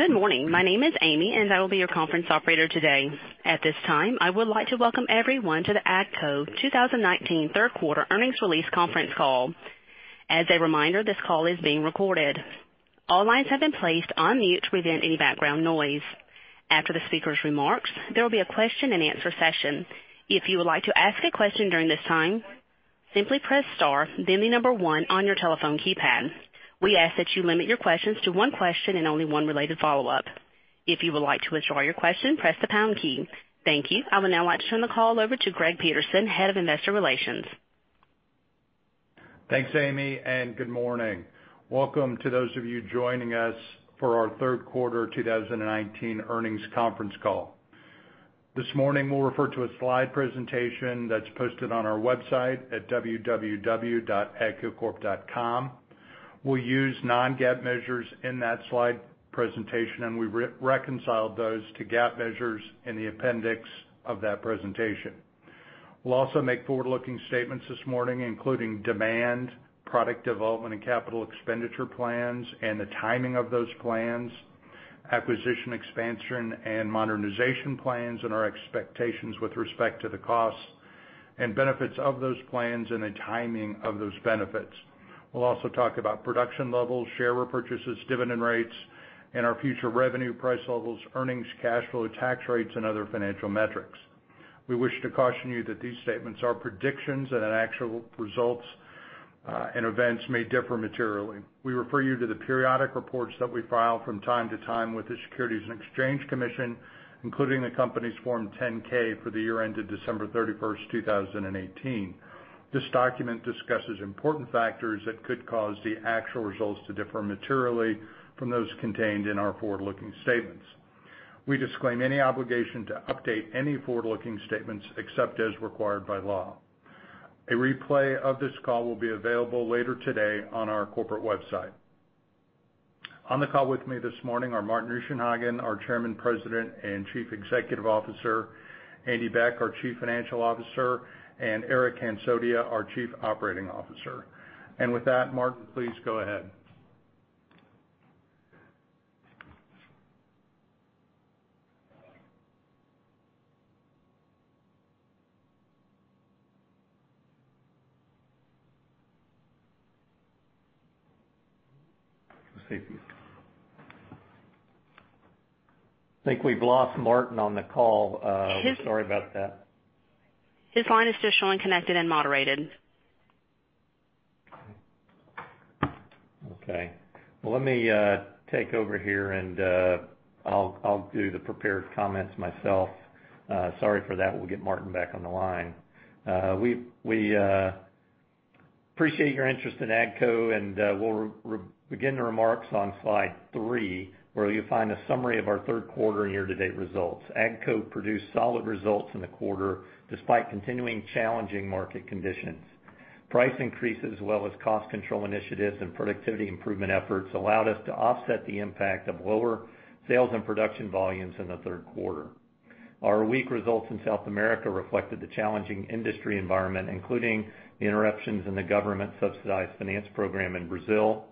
Good morning. My name is Amy, and I will be your conference operator today. At this time, I would like to welcome everyone to the AGCO 2019 third quarter earnings release conference call. As a reminder, this call is being recorded. All lines have been placed on mute to prevent any background noise. After the speaker's remarks, there will be a question and answer session. If you would like to ask a question during this time, simply press star, then the number one on your telephone keypad. We ask that you limit your questions to one question and only one related follow-up. If you would like to withdraw your question, press the pound key. Thank you. I would now like to turn the call over to Greg Peterson, Head of Investor Relations. Thanks, Amy. Good morning. Welcome to those of you joining us for our third quarter 2019 earnings conference call. This morning, we'll refer to a slide presentation that's posted on our website at www.agcocorp.com. We'll use non-GAAP measures in that slide presentation. We reconciled those to GAAP measures in the appendix of that presentation. We'll also make forward-looking statements this morning, including demand, product development and capital expenditure plans, and the timing of those plans, acquisition expansion and modernization plans, and our expectations with respect to the costs and benefits of those plans and the timing of those benefits. We'll also talk about production levels, share repurchases, dividend rates, and our future revenue price levels, earnings, cash flow, tax rates, and other financial metrics. We wish to caution you that these statements are predictions and that actual results and events may differ materially. We refer you to the periodic reports that we file from time to time with the Securities and Exchange Commission, including the company's Form 10-K for the year ended December 31st 2018. This document discusses important factors that could cause the actual results to differ materially from those contained in our forward-looking statements. We disclaim any obligation to update any forward-looking statements except as required by law. A replay of this call will be available later today on our corporate website. On the call with me this morning are Martin Richenhagen, our Chairman, President, and Chief Executive Officer, Andy Beck, our Chief Financial Officer, and Eric Hansotia, our Chief Operating Officer. With that, Martin, please go ahead. I think we've lost Martin on the call. Sorry about that. His line is still showing connected and moderated. Okay. Well, let me take over here and I'll do the prepared comments myself. Sorry for that. We'll get Martin back on the line. We appreciate your interest in AGCO, and we'll begin the remarks on slide three, where you'll find a summary of our third quarter year-to-date results. AGCO produced solid results in the quarter despite continuing challenging market conditions. Price increases, as well as cost control initiatives and productivity improvement efforts, allowed us to offset the impact of lower sales and production volumes in the third quarter. Our weak results in South America reflected the challenging industry environment, including the interruptions in the government-subsidized finance program in Brazil,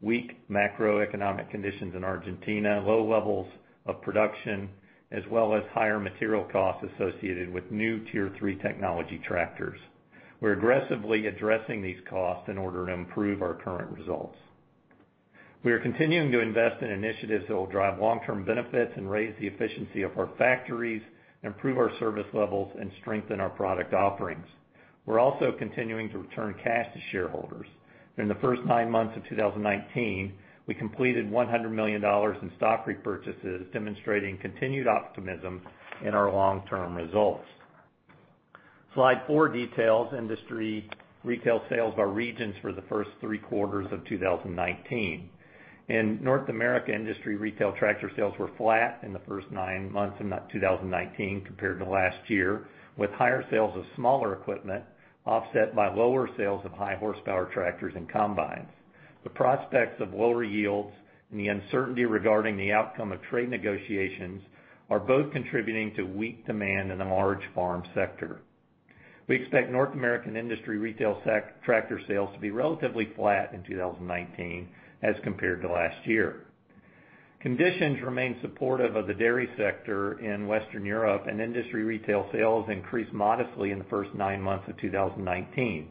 weak macroeconomic conditions in Argentina, low levels of production, as well as higher material costs associated with new Tier 3 technology tractors. We're aggressively addressing these costs in order to improve our current results. We are continuing to invest in initiatives that will drive long-term benefits and raise the efficiency of our factories, improve our service levels, and strengthen our product offerings. We're also continuing to return cash to shareholders. During the first nine months of 2019, we completed $100 million in stock repurchases, demonstrating continued optimism in our long-term results. Slide four details industry retail sales by regions for the first three quarters of 2019. In North America, industry retail tractor sales were flat in the first nine months of 2019 compared to last year, with higher sales of smaller equipment offset by lower sales of high horsepower tractors and combines. The prospects of lower yields and the uncertainty regarding the outcome of trade negotiations are both contributing to weak demand in the large farm sector. We expect North American Industry retail tractor sales to be relatively flat in 2019 as compared to last year. Conditions remain supportive of the dairy sector in Western Europe, and industry retail sales increased modestly in the first nine months of 2019.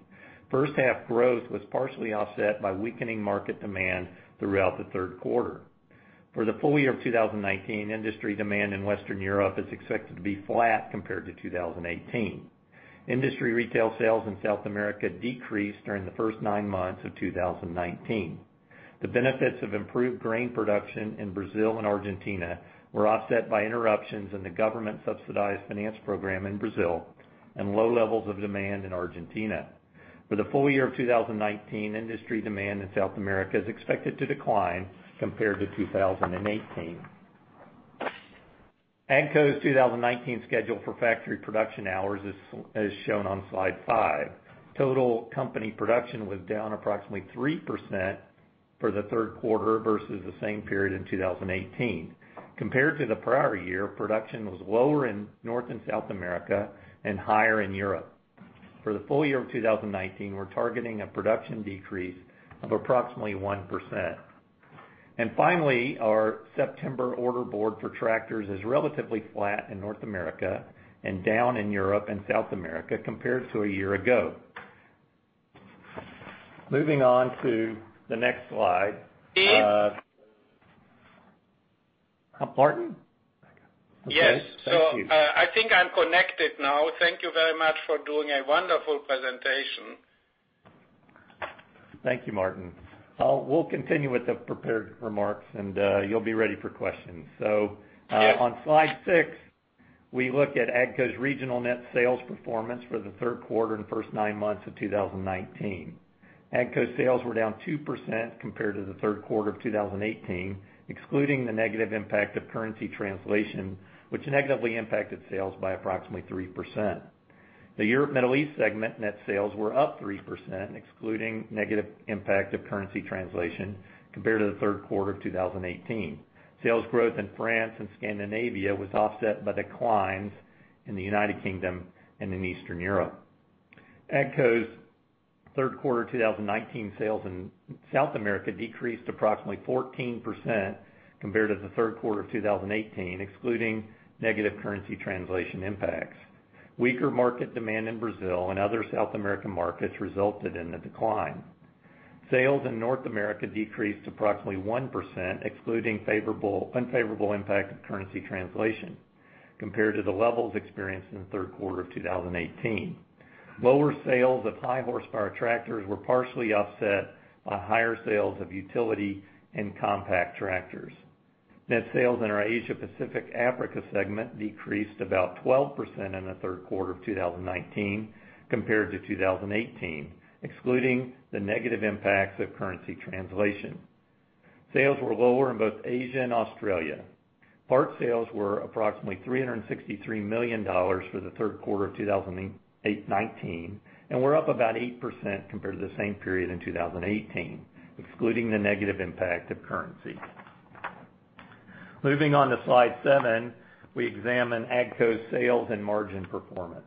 First half growth was partially offset by weakening market demand throughout the third quarter. For the full year of 2019, industry demand in Western Europe is expected to be flat compared to 2018. Industry retail sales in South America decreased during the first nine months of 2019. The benefits of improved grain production in Brazil and Argentina were offset by interruptions in the government-subsidized finance program in Brazil and low levels of demand in Argentina. For the full year of 2019, industry demand in South America is expected to decline compared to 2018. AGCO's 2019 schedule for factory production hours is as shown on slide five. Total company production was down approximately 3% for the third quarter versus the same period in 2018. Compared to the prior year, production was lower in North and South America and higher in Europe. For the full year of 2019, we're targeting a production decrease of approximately 1%. Finally, our September order board for tractors is relatively flat in North America, and down in Europe and South America compared to a year ago. Moving on to the next slide. Steve? Martin? Yes. Okay. Thank you. I think I'm connected now. Thank you very much for doing a wonderful presentation. Thank you, Martin. We'll continue with the prepared remarks, and you'll be ready for questions. Sure. On slide six, we look at AGCO's regional net sales performance for the third quarter and first nine months of 2019. AGCO's sales were down 2% compared to the third quarter of 2018, excluding the negative impact of currency translation, which negatively impacted sales by approximately 3%. The Europe Middle East segment net sales were up 3%, excluding negative impact of currency translation compared to the third quarter of 2018. Sales growth in France and Scandinavia was offset by declines in the United Kingdom and in Eastern Europe. AGCO's third quarter 2019 sales in South America decreased approximately 14% compared to the third quarter of 2018, excluding negative currency translation impacts. Weaker market demand in Brazil and other South American markets resulted in the decline. Sales in North America decreased approximately 1%, excluding unfavorable impact of currency translation compared to the levels experienced in the third quarter of 2018. Lower sales of high horsepower tractors were partially offset by higher sales of utility and compact tractors. Net sales in our Asia Pacific Africa segment decreased about 12% in the third quarter of 2019 compared to 2018, excluding the negative impacts of currency translation. Sales were lower in both Asia and Australia. Parts sales were approximately $363 million for the third quarter of 2019, and were up about 8% compared to the same period in 2018, excluding the negative impact of currency. Moving on to slide seven, we examine AGCO's sales and margin performance.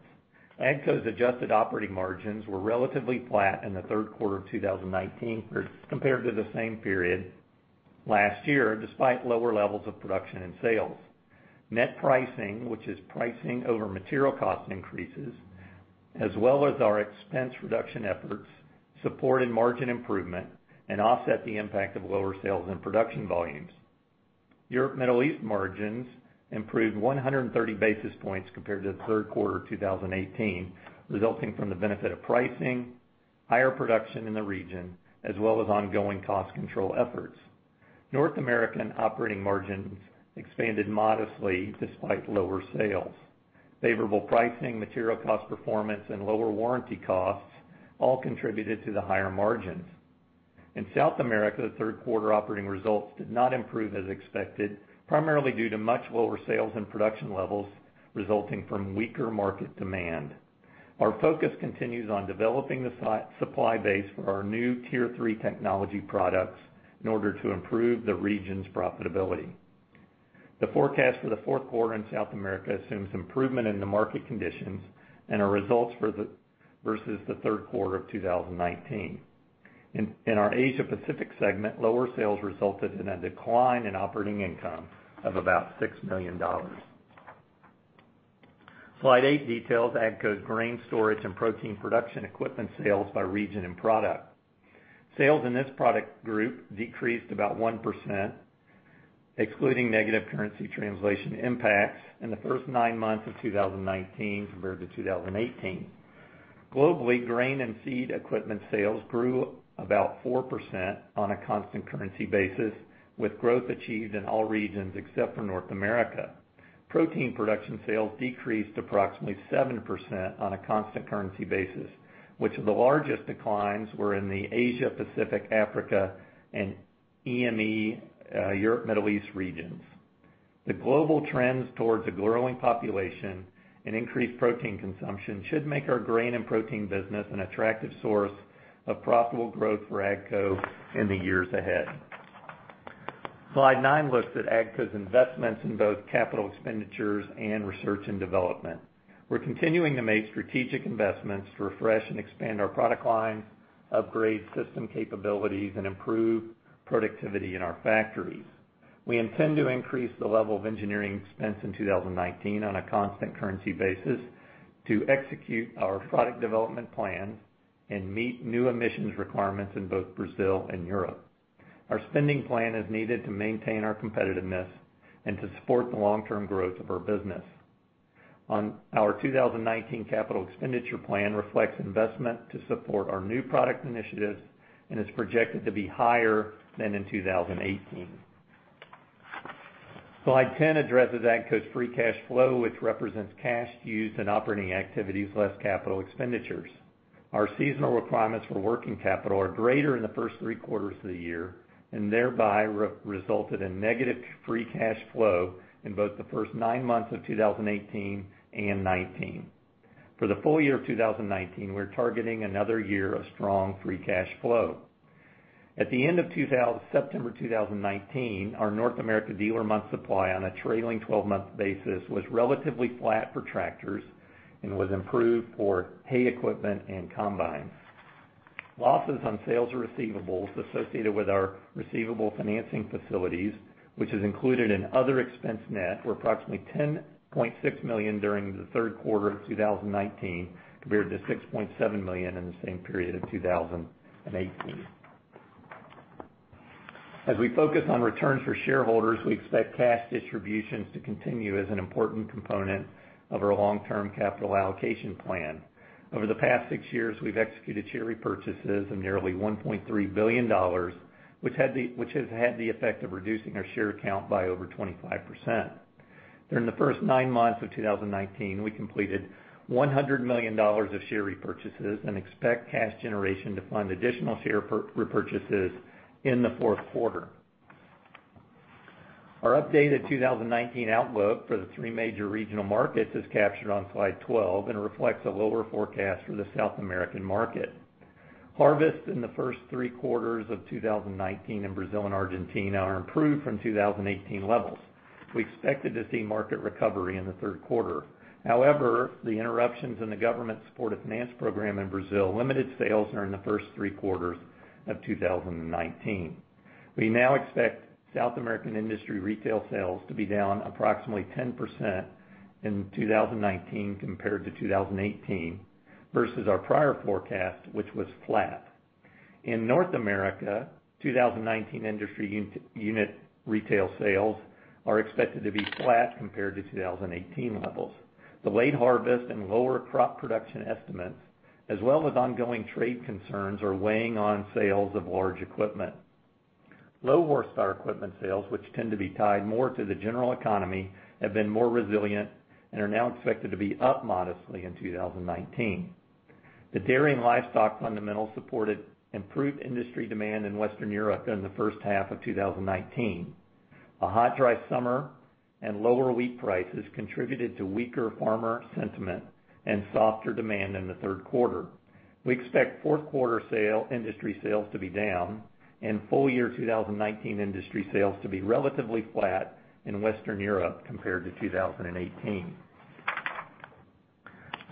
AGCO's adjusted operating margins were relatively flat in the third quarter of 2019 compared to the same period last year, despite lower levels of production and sales. Net pricing, which is pricing over material cost increases, as well as our expense reduction efforts, supported margin improvement and offset the impact of lower sales and production volumes. Europe Middle East margins improved 130 basis points compared to the third quarter of 2018, resulting from the benefit of pricing, higher production in the region, as well as ongoing cost control efforts. North American operating margins expanded modestly despite lower sales. Favorable pricing, material cost performance, and lower warranty costs all contributed to the higher margins. In South America, third quarter operating results did not improve as expected, primarily due to much lower sales and production levels resulting from weaker market demand. Our focus continues on developing the supply base for our new Tier 3 technology products in order to improve the region's profitability. The forecast for the fourth quarter in South America assumes improvement in the market conditions and our results versus the third quarter of 2019. In our Asia Pacific segment, lower sales resulted in a decline in operating income of about $6 million. Slide eight details AGCO's grain storage and protein production equipment sales by region and product. Sales in this product group decreased about 1%, excluding negative currency translation impacts in the first nine months of 2019 compared to 2018. Globally, grain and seed equipment sales grew about 4% on a constant currency basis, with growth achieved in all regions except for North America. Protein production sales decreased approximately 7% on a constant currency basis, which of the largest declines were in the Asia, Pacific, Africa, and EME, Europe Middle East regions. The global trends towards a growing population and increased protein consumption should make our grain and protein business an attractive source of profitable growth for AGCO in the years ahead. Slide nine looks at AGCO's investments in both capital expenditures and research and development. We're continuing to make strategic investments to refresh and expand our product line, upgrade system capabilities, and improve productivity in our factories. We intend to increase the level of engineering expense in 2019 on a constant currency basis to execute our product development plan and meet new emissions requirements in both Brazil and Europe. Our spending plan is needed to maintain our competitiveness and to support the long-term growth of our business. Our 2019 capital expenditure plan reflects investment to support our new product initiatives and is projected to be higher than in 2018. Slide 10 addresses AGCO's free cash flow, which represents cash used in operating activities less capital expenditures. Our seasonal requirements for working capital are greater in the first 3 quarters of the year and thereby resulted in negative free cash flow in both the first 9 months of 2018 and 2019. For the full year of 2019, we're targeting another year of strong free cash flow. At the end of September 2019, our North America dealer month supply on a trailing 12-month basis was relatively flat for tractors and was improved for hay equipment and combines. Losses on sales receivables associated with our receivable financing facilities, which is included in other expense net, were approximately $10.6 million during the third quarter of 2019, compared to $6.7 million in the same period of 2018. As we focus on returns for shareholders, we expect cash distributions to continue as an important component of our long-term capital allocation plan. Over the past six years, we've executed share repurchases of nearly $1.3 billion, which has had the effect of reducing our share count by over 25%. During the first nine months of 2019, we completed $100 million of share repurchases and expect cash generation to fund additional share repurchases in the fourth quarter. Our updated 2019 outlook for the three major regional markets is captured on slide 12 and reflects a lower forecast for the South American market. Harvest in the first three quarters of 2019 in Brazil and Argentina are improved from 2018 levels. We expected to see market recovery in the third quarter. However, the interruptions in the government-supported finance program in Brazil limited sales during the first three quarters of 2019. We now expect South American industry retail sales to be down approximately 10% in 2019 compared to 2018 versus our prior forecast, which was flat. In North America, 2019 industry unit retail sales are expected to be flat compared to 2018 levels. Delayed harvest and lower crop production estimates, as well as ongoing trade concerns, are weighing on sales of large equipment. Low-horsepower equipment sales, which tend to be tied more to the general economy, have been more resilient and are now expected to be up modestly in 2019. The dairy and livestock fundamentals supported improved industry demand in Western Europe in the first half of 2019. A hot, dry summer and lower wheat prices contributed to weaker farmer sentiment and softer demand in the third quarter. We expect fourth quarter industry sales to be down and full-year 2019 industry sales to be relatively flat in Western Europe compared to 2018.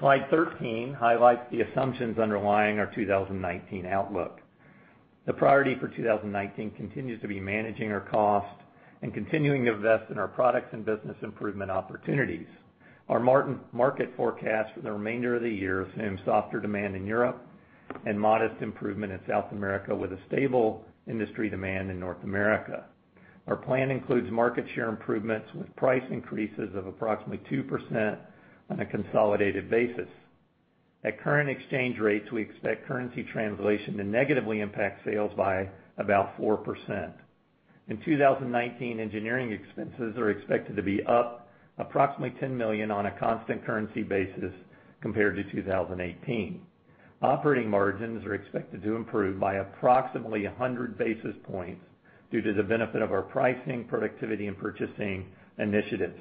Slide 13 highlights the assumptions underlying our 2019 outlook. The priority for 2019 continues to be managing our cost and continuing to invest in our products and business improvement opportunities. Our market forecast for the remainder of the year assumes softer demand in Europe and modest improvement in South America with a stable industry demand in North America. Our plan includes market share improvements with price increases of approximately 2% on a consolidated basis. At current exchange rates, we expect currency translation to negatively impact sales by about 4%. In 2019, engineering expenses are expected to be up approximately $10 million on a constant currency basis compared to 2018. Operating margins are expected to improve by approximately 100 basis points due to the benefit of our pricing, productivity, and purchasing initiatives.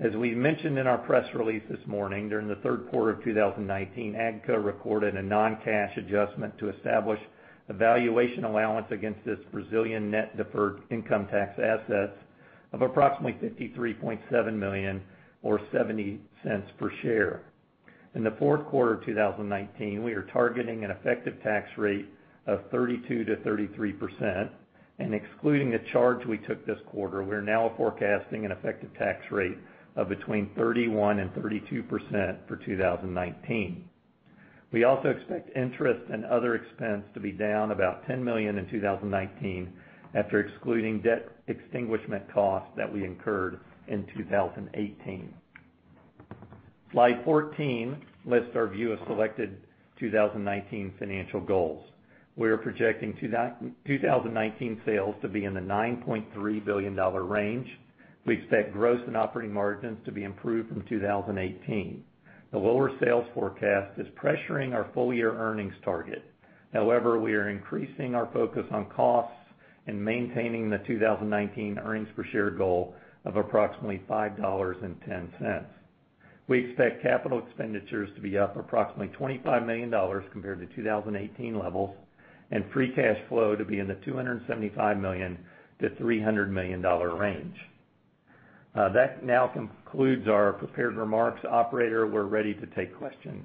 As we mentioned in our press release this morning, during the third quarter of 2019, AGCO recorded a non-cash adjustment to establish a valuation allowance against its Brazilian net deferred income tax assets of approximately $53.7 million or $0.70 per share. In the fourth quarter of 2019, we are targeting an effective tax rate of 32%-33%, and excluding the charge we took this quarter, we're now forecasting an effective tax rate of between 31% and 32% for 2019. We also expect interest and other expense to be down about $10 million in 2019 after excluding debt extinguishment costs that we incurred in 2018. Slide 14 lists our view of selected 2019 financial goals. We are projecting 2019 sales to be in the $9.3 billion range. We expect gross and operating margins to be improved from 2018. The lower sales forecast is pressuring our full-year earnings target. However, we are increasing our focus on costs and maintaining the 2019 earnings per share goal of approximately $5.10. We expect capital expenditures to be up approximately $25 million compared to 2018 levels, and free cash flow to be in the $275 million-$300 million range. That now concludes our prepared remarks. Operator, we're ready to take questions.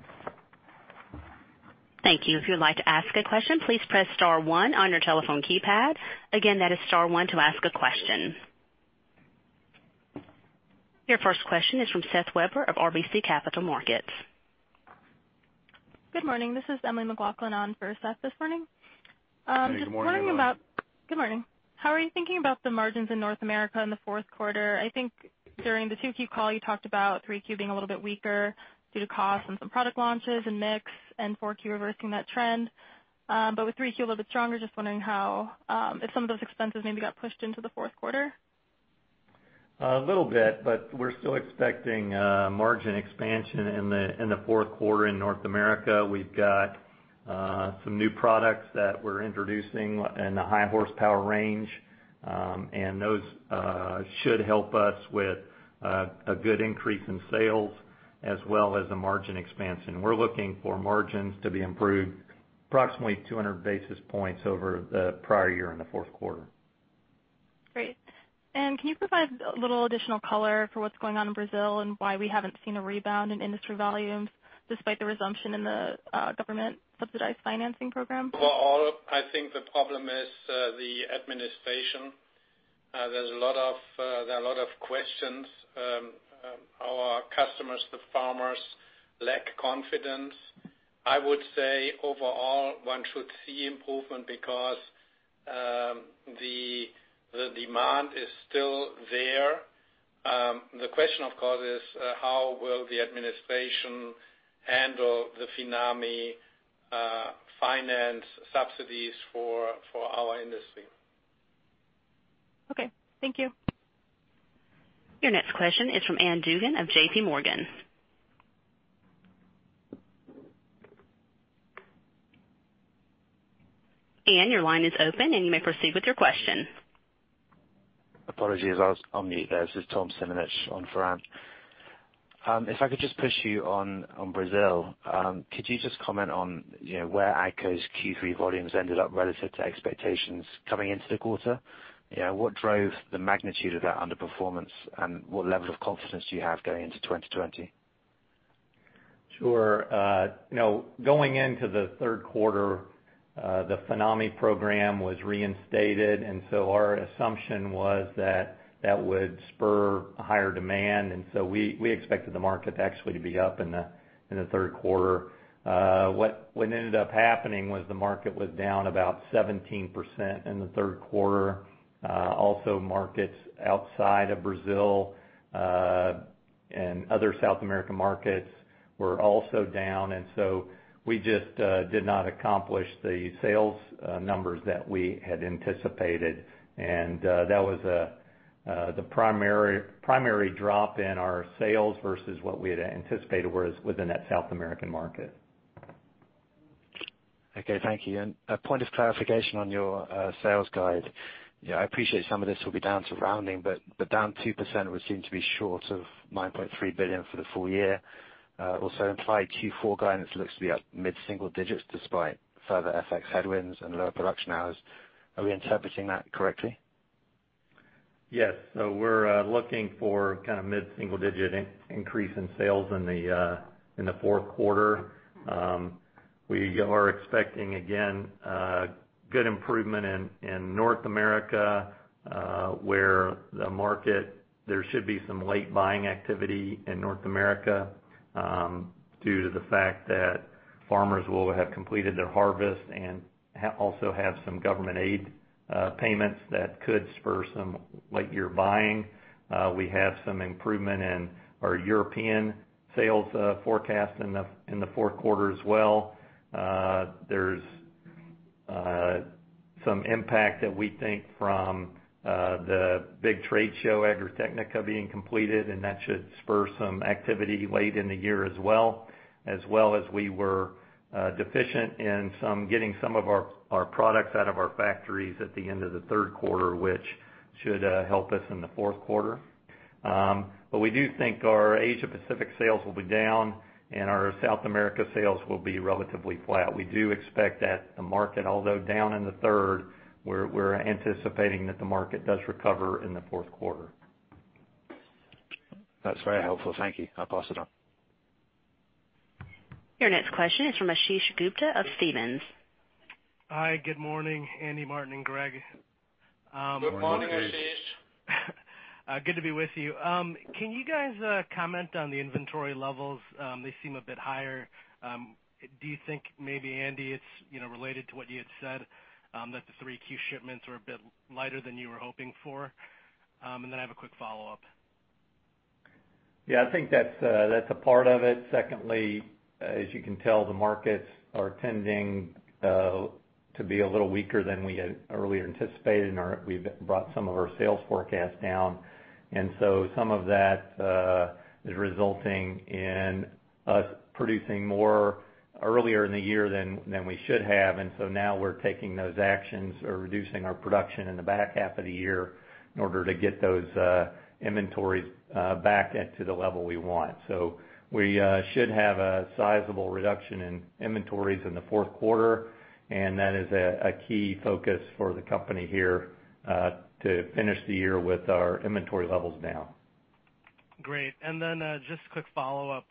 Thank you. If you would like to ask a question, please press star one on your telephone keypad. Again, that is star one to ask a question. Your first question is from Seth Weber of RBC Capital Markets. Good morning. This is Emily McLaughlin on for Seth this morning. Good morning, Emily. Good morning. How are you thinking about the margins in North America in the fourth quarter? I think during the 2Q call, you talked about 3Q being a little bit weaker due to costs on some product launches and mix, and 4Q reversing that trend. With 3Q a little bit stronger, just wondering if some of those expenses maybe got pushed into the fourth quarter? A little bit, but we're still expecting margin expansion in the fourth quarter in North America. We've got some new products that we're introducing in the high-horsepower range. Those should help us with a good increase in sales as well as the margin expansion. We're looking for margins to be improved approximately 200 basis points over the prior year in the fourth quarter. Great. Can you provide a little additional color for what's going on in Brazil and why we haven't seen a rebound in industry volumes despite the resumption in the government-subsidized financing program? Overall, I think the problem is the administration. There are a lot of questions. Our customers, the farmers, lack confidence. I would say overall, one should see improvement because the demand is still there. The question, of course, is how will the administration handle the Finame finance subsidies for our industry? Okay. Thank you. Your next question is from Ann Duignan of JPMorgan. Ann, your line is open and you may proceed with your question. Apologies, I was on mute there. This is Tom Simonitsch on for Ann. If I could just push you on Brazil. Could you just comment on where AGCO's Q3 volumes ended up relative to expectations coming into the quarter? What drove the magnitude of that underperformance, and what level of confidence do you have going into 2020? Sure. Going into the third quarter, the Finame program was reinstated, and so our assumption was that that would spur higher demand. We expected the market actually to be up in the third quarter. What ended up happening was the market was down about 17% in the third quarter. Also, markets outside of Brazil and other South American markets were also down. We just did not accomplish the sales numbers that we had anticipated. That was the primary drop in our sales versus what we had anticipated was within that South American market. Okay, thank you. A point of clarification on your sales guide. I appreciate some of this will be down to rounding, but down 2% would seem to be short of $9.3 billion for the full year. Also implied Q4 guidance looks to be up mid-single digits despite further FX headwinds and lower production hours. Are we interpreting that correctly? Yes. We're looking for mid-single digit increase in sales in the fourth quarter. We are expecting, again, good improvement in North America, where the market, there should be some late buying activity in North America due to the fact that farmers will have completed their harvest and also have some government aid payments that could spur some late year buying. We have some improvement in our European sales forecast in the fourth quarter as well. There's some impact that we think from the big trade show, Agritechnica, being completed, and that should spur some activity late in the year as well. As well as we were deficient in getting some of our products out of our factories at the end of the third quarter, which should help us in the fourth quarter. We do think our Asia Pacific sales will be down and our South America sales will be relatively flat. We do expect that the market, although down in the third, we're anticipating that the market does recover in the fourth quarter. That's very helpful. Thank you. I'll pass it on. Your next question is from Ashish Gupta of Stephens. Hi, good morning, Andy, Martin, and Greg. Good morning, Ashish. Good to be with you. Can you guys comment on the inventory levels? They seem a bit higher. Do you think maybe, Andy, it's related to what you had said, that the 3Q shipments were a bit lighter than you were hoping for? I have a quick follow-up. Yeah, I think that's a part of it. Secondly, as you can tell, the markets are tending to be a little weaker than we had earlier anticipated, and we've brought some of our sales forecasts down. Some of that is resulting in us producing more earlier in the year than we should have. Now we're taking those actions or reducing our production in the back half of the year in order to get those inventories back into the level we want. We should have a sizable reduction in inventories in the fourth quarter, and that is a key focus for the company here to finish the year with our inventory levels down. Great. Then just a quick follow-up.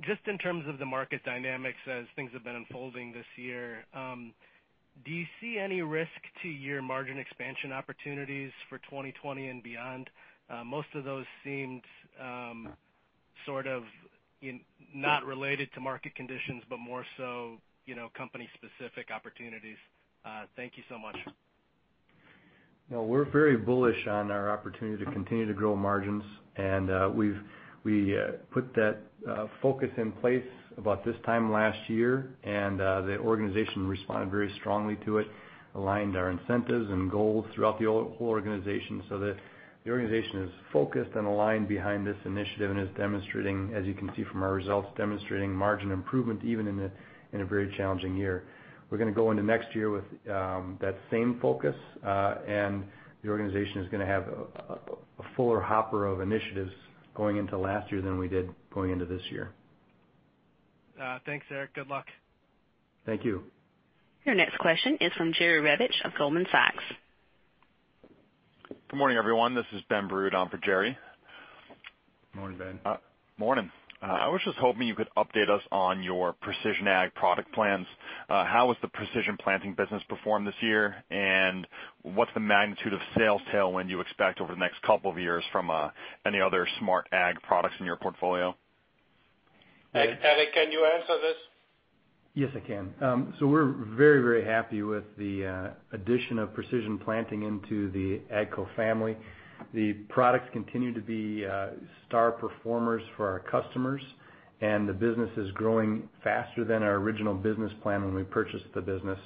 Just in terms of the market dynamics as things have been unfolding this year, do you see any risk to your margin expansion opportunities for 2020 and beyond? Most of those seemed sort of not related to market conditions, but more so company specific opportunities. Thank you so much. No, we're very bullish on our opportunity to continue to grow margins and we've. We put that focus in place about this time last year, and the organization responded very strongly to it, aligned our incentives and goals throughout the whole organization so that the organization is focused and aligned behind this initiative and is, as you can see from our results, demonstrating margin improvement, even in a very challenging year. We're going to go into next year with that same focus, and the organization is going to have a fuller hopper of initiatives going into last year than we did going into this year. Thanks, Eric. Good luck. Thank you. Your next question is from Jerry Revich of Goldman Sachs. Good morning, everyone. This is Benjamin Burud on for Jerry. Morning, Ben. Morning. I was just hoping you could update us on your precision ag product plans. How has the Precision Planting business performed this year? What's the magnitude of sales tailwind you expect over the next couple of years from any other smart ag products in your portfolio? Eric, can you answer this? Yes, I can. We're very happy with the addition of Precision Planting into the AGCO family. The products continue to be star performers for our customers, and the business is growing faster than our original business plan when we purchased the business,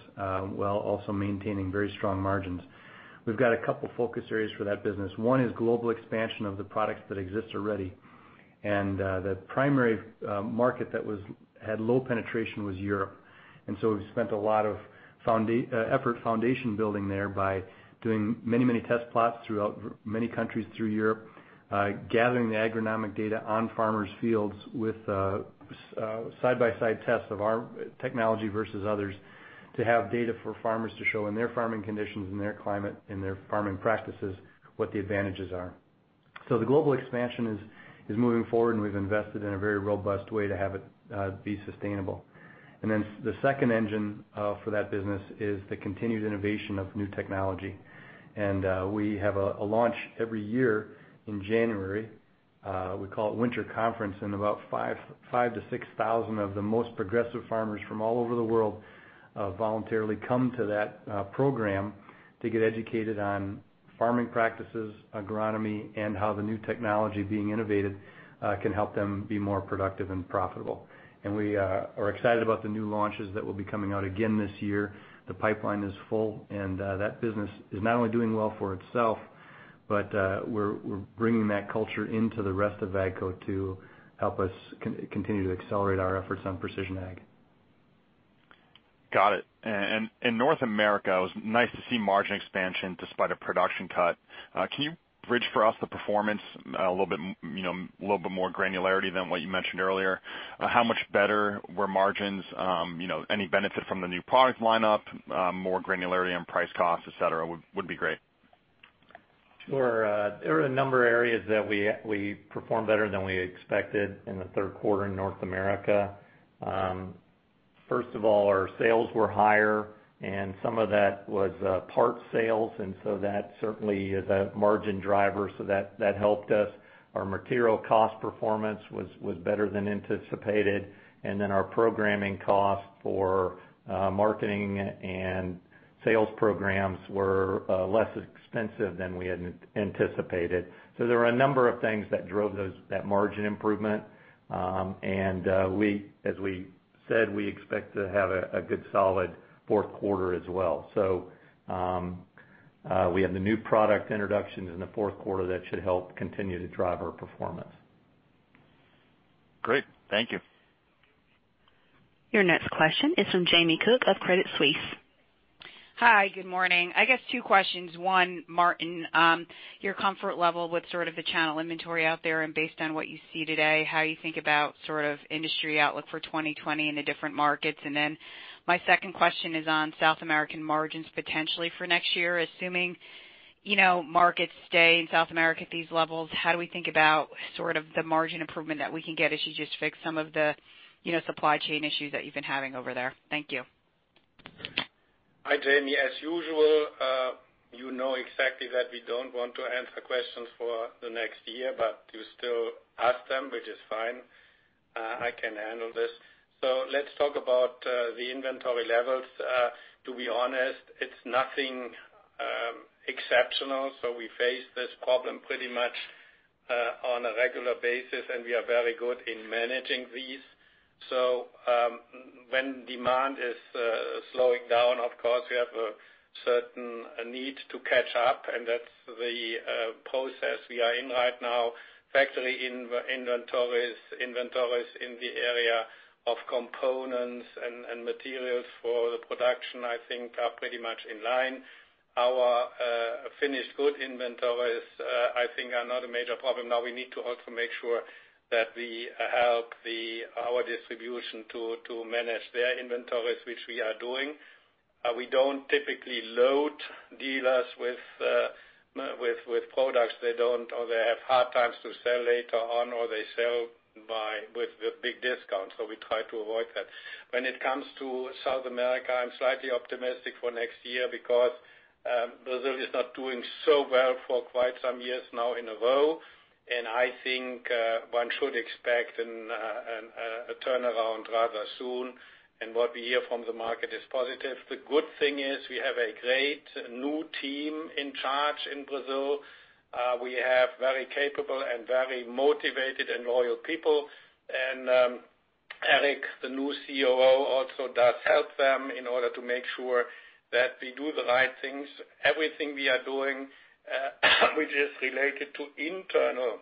while also maintaining very strong margins. We've got a couple focus areas for that business. One is global expansion of the products that exist already. The primary market that had low penetration was Europe. We've spent a lot of effort foundation-building there by doing many test plots throughout many countries through Europe, gathering the agronomic data on farmers' fields with side-by-side tests of our technology versus others to have data for farmers to show in their farming conditions, in their climate, in their farming practices, what the advantages are. The global expansion is moving forward, and we've invested in a very robust way to have it be sustainable. The second engine for that business is the continued innovation of new technology. We have a launch every year in January. We call it Winter Conference, and about 5,000 to 6,000 of the most progressive farmers from all over the world voluntarily come to that program to get educated on farming practices, agronomy, and how the new technology being innovated can help them be more productive and profitable. We are excited about the new launches that will be coming out again this year. The pipeline is full, and that business is not only doing well for itself, but we're bringing that culture into the rest of AGCO to help us continue to accelerate our efforts on precision ag. Got it. In North America, it was nice to see margin expansion despite a production cut. Can you bridge for us the performance a little bit more granularity than what you mentioned earlier? How much better were margins? Any benefit from the new product lineup? More granularity on price costs, et cetera, would be great. Sure. There were a number of areas that we performed better than we expected in the third quarter in North America. First of all, our sales were higher, and some of that was parts sales, and so that certainly is a margin driver. That helped us. Our material cost performance was better than anticipated. Our programming costs for marketing and sales programs were less expensive than we had anticipated. There were a number of things that drove that margin improvement. As we said, we expect to have a good solid fourth quarter as well. We have the new product introductions in the fourth quarter that should help continue to drive our performance. Great. Thank you. Your next question is from Jamie Cook of Credit Suisse. Hi. Good morning. I guess two questions. One, Martin, your comfort level with sort of the channel inventory out there and based on what you see today, how you think about sort of industry outlook for 2020 in the different markets. My second question is on South American margins potentially for next year, assuming markets stay in South America at these levels, how do we think about sort of the margin improvement that we can get as you just fix some of the supply chain issues that you've been having over there? Thank you. Hi, Jamie. As usual, you know exactly that we don't want to answer questions for the next year, but you still ask them, which is fine. I can handle this. Let's talk about the inventory levels. To be honest, it's nothing exceptional. We face this problem pretty much on a regular basis, and we are very good in managing these. When demand is slowing down, of course, we have a certain need to catch up, and that's the process we are in right now. Factory inventories in the area of components and materials for the production, I think, are pretty much in line. Our finished good inventories, I think, are not a major problem now. We need to also make sure that we help our distribution to manage their inventories, which we are doing. We don't typically load dealers with products they don't, or they have hard times to sell later on, or they sell with a big discount. We try to avoid that. When it comes to South America, I'm slightly optimistic for next year because Brazil is not doing so well for quite some years now in a row, and I think one should expect a turnaround rather soon. What we hear from the market is positive. The good thing is we have a great new team in charge in Brazil. We have very capable and very motivated and loyal people. Eric, the new COO, also does help them in order to make sure that we do the right things. Everything we are doing, which is related to internal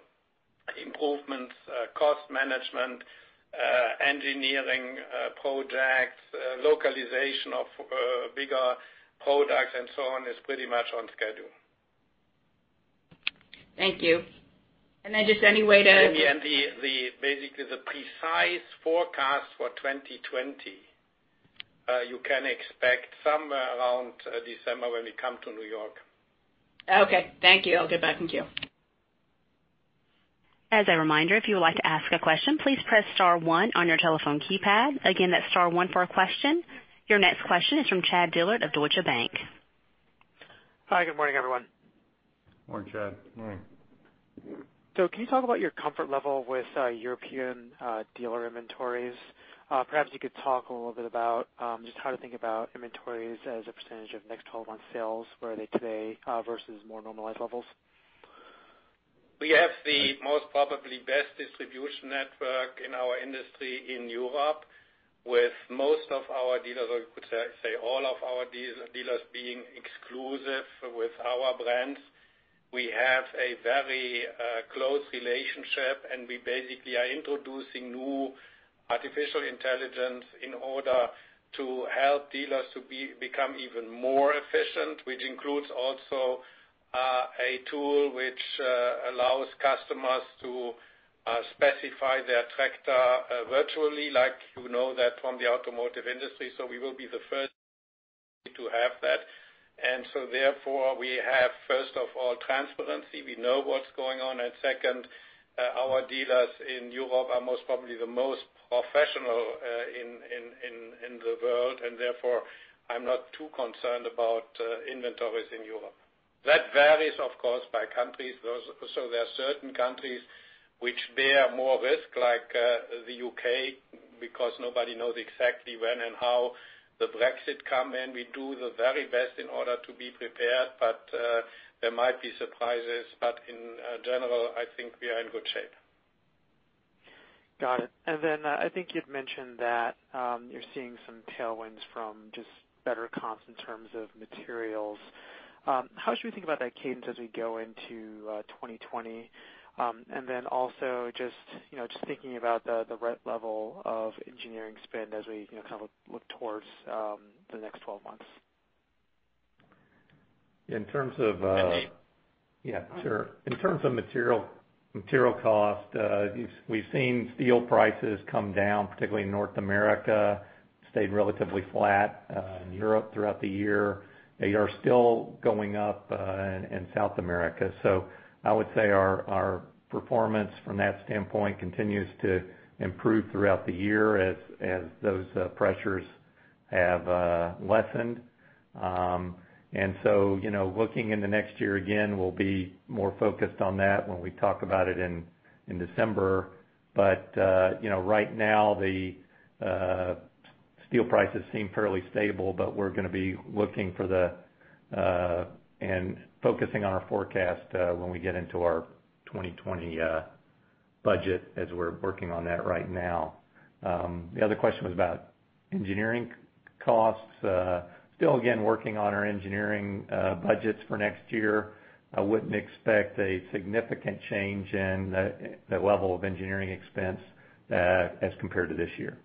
improvements, cost management, engineering projects, localization of bigger products, and so on, is pretty much on schedule. Thank you. Basically, the precise forecast for 2020, you can expect somewhere around December when we come to New York. Okay. Thank you. I'll get back in queue. As a reminder, if you would like to ask a question, please press star one on your telephone keypad. Again, that's star one for a question. Your next question is from Chad Dillard of Deutsche Bank. Hi, good morning, everyone. Morning, Chad. Morning. Can you talk about your comfort level with European dealer inventories? Perhaps you could talk a little bit about just how to think about inventories as a percentage of next 12-month sales, where are they today versus more normalized levels? We have the most probably best distribution network in our industry in Europe with most of our dealers, or you could say all of our dealers, being exclusive with our brands. We have a very close relationship, and we basically are introducing new artificial intelligence in order to help dealers to become even more efficient, which includes also a tool which allows customers to specify their tractor virtually, like you know that from the automotive industry. We will be the first to have that. Therefore, we have, first of all, transparency. We know what's going on. Second, our dealers in Europe are most probably the most professional in the world, and therefore, I'm not too concerned about inventories in Europe. That varies, of course, by countries. There are certain countries which bear more risk, like the U.K., because nobody knows exactly when and how the Brexit come in. We do the very best in order to be prepared, but there might be surprises. In general, I think we are in good shape. Got it. I think you'd mentioned that you're seeing some tailwinds from just better costs in terms of materials. How should we think about that cadence as we go into 2020? Just thinking about the right level of engineering spend as we look towards the next 12 months. Sure. In terms of material cost, we've seen steel prices come down, particularly in North America, stayed relatively flat in Europe throughout the year. They are still going up in South America. I would say our performance from that standpoint continues to improve throughout the year as those pressures have lessened. Looking in the next year, again, we'll be more focused on that when we talk about it in December. Right now, the steel prices seem fairly stable, but we're going to be looking for and focusing on our forecast when we get into our 2020 budget as we're working on that right now. The other question was about engineering costs. Still, again, working on our engineering budgets for next year. I wouldn't expect a significant change in the level of engineering expense as compared to this year.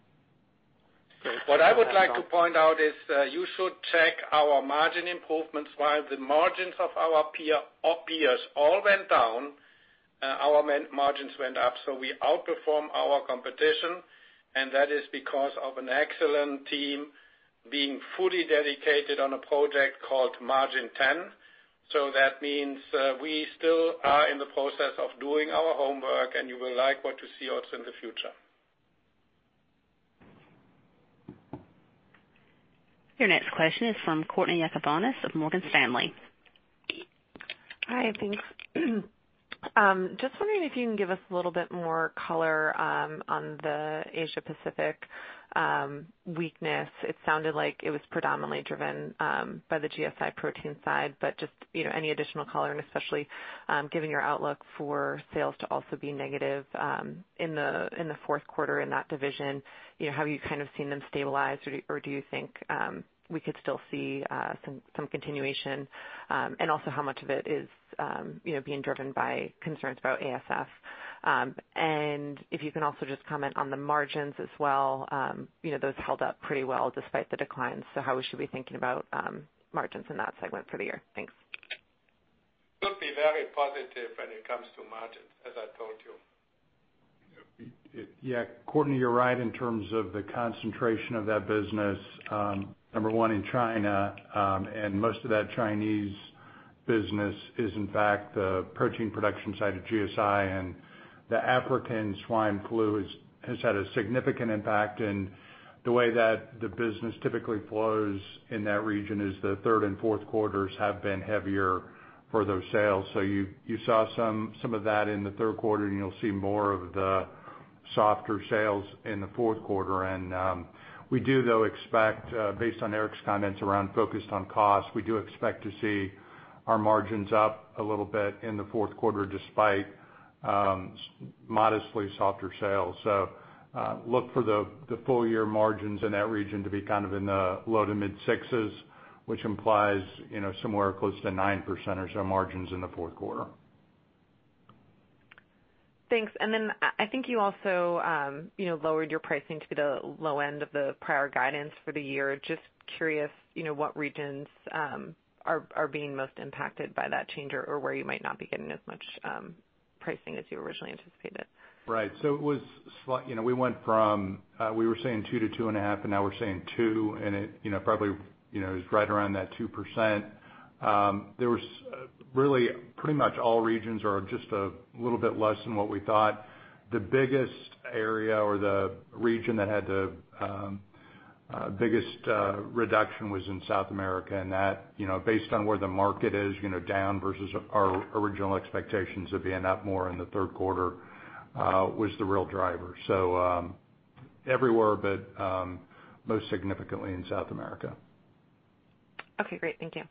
What I would like to point out is you should check our margin improvements. While the margins of our peers all went down, our margins went up. We outperform our competition, and that is because of an excellent team being fully dedicated on a project called Margin 10. That means we still are in the process of doing our homework, and you will like what you see also in the future. Your next question is from Courtney Yakavonis of Morgan Stanley. Hi, thanks. Just wondering if you can give us a little bit more color on the Asia Pacific weakness. It sounded like it was predominantly driven by the GSI protein side, just any additional color, especially given your outlook for sales to also be negative in the fourth quarter in that division. Have you seen them stabilize, do you think we could still see some continuation? Also how much of it is being driven by concerns about ASF? If you can also just comment on the margins as well, those held up pretty well despite the declines. How we should be thinking about margins in that segment for the year? Thanks. Could be very positive when it comes to margins, as I told you. Yeah. Courtney, you're right in terms of the concentration of that business, number 1 in China, and most of that Chinese business is, in fact, the protein production side of GSI, and the African swine fever has had a significant impact in the way that the business typically flows in that region as the third and fourth quarters have been heavier for those sales. You saw some of that in the third quarter, and you'll see more of the softer sales in the fourth quarter. We do, though, expect based on Eric's comments around focused on cost, we do expect to see our margins up a little bit in the fourth quarter, despite modestly softer sales. Look for the full year margins in that region to be kind of in the low to mid-sixes, which implies somewhere close to 9% or so margins in the fourth quarter. Thanks. I think you also lowered your pricing to the low end of the prior guidance for the year. Just curious what regions are being most impacted by that change or where you might not be getting as much pricing as you originally anticipated. Right. We went from-- we were saying 2 to 2.5, and now we're saying 2, and it probably is right around that 2%. Really, pretty much all regions are just a little bit less than what we thought. The biggest area or the region that had the biggest reduction was in South America, and that based on where the market is down versus our original expectations of being up more in the third quarter, was the real driver. Everywhere, but most significantly in South America. Okay, great. Thank you.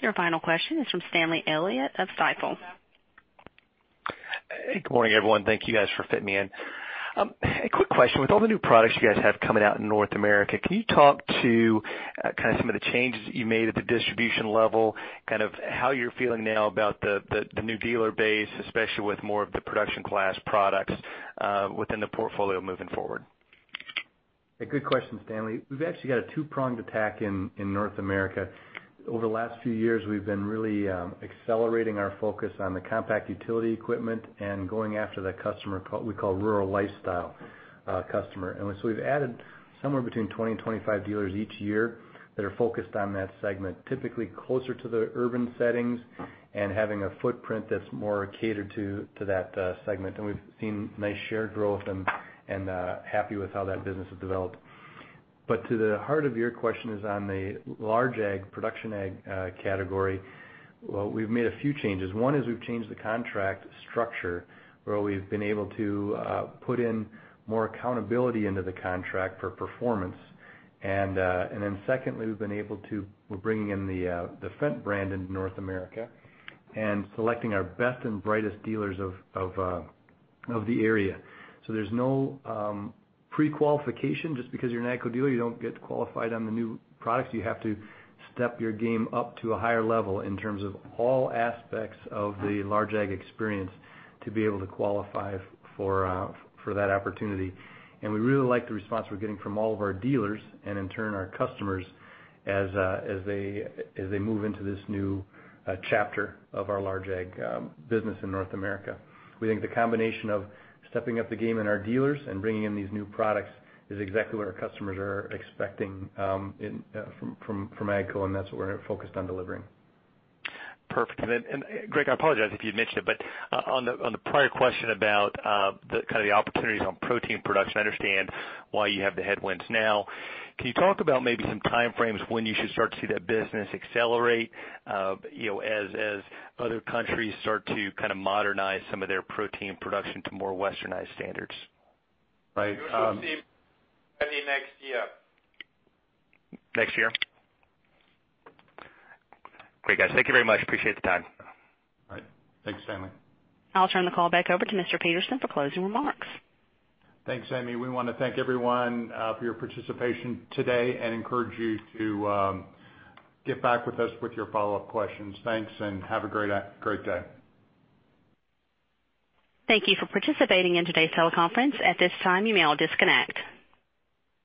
Your final question is from Stanley Elliott of Stifel. Good morning, everyone. Thank you guys for fitting me in. A quick question. With all the new products you guys have coming out in North America, can you talk to kind of some of the changes that you made at the distribution level, kind of how you're feeling now about the new dealer base, especially with more of the production class products within the portfolio moving forward? Good question, Stanley. We've actually got a two-pronged attack in North America. Over the last few years, we've been really accelerating our focus on the compact utility equipment and going after that customer we call rural lifestyle customer. We've added somewhere between 20 and 25 dealers each year that are focused on that segment, typically closer to the urban settings and having a footprint that's more catered to that segment. We've seen nice share growth and happy with how that business has developed. To the heart of your question is on the large ag, production ag category. Well, we've made a few changes. One is we've changed the contract structure where we've been able to put in more accountability into the contract for performance. Secondly, we're bringing in the Fendt brand into North America and selecting our best and brightest dealers of the area. There's no pre-qualification. Just because you're an AGCO dealer, you don't get qualified on the new products. You have to step your game up to a higher level in terms of all aspects of the large ag experience to be able to qualify for that opportunity. We really like the response we're getting from all of our dealers and in turn, our customers, as they move into this new chapter of our large ag business in North America. We think the combination of stepping up the game in our dealers and bringing in these new products is exactly what our customers are expecting from AGCO, and that's what we're focused on delivering. Perfect. Then, Greg, I apologize if you had mentioned it, but on the prior question about the kind of the opportunities on protein production, I understand why you have the headwinds now. Can you talk about maybe some time frames when you should start to see that business accelerate as other countries start to kind of modernize some of their protein production to more Westernized standards? Right. You should see ready next year. Next year? Great, guys. Thank you very much. Appreciate the time. All right. Thanks, Stanley. I'll turn the call back over to Mr. Peterson for closing remarks. Thanks, Amy. We want to thank everyone for your participation today and encourage you to get back with us with your follow-up questions. Thanks, and have a great day. Thank you for participating in today's teleconference. At this time, you may all disconnect.